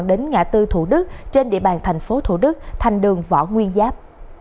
đến ngã tư thủ đức trên địa bàn tp thủ đức thành đường võ nguyên giáp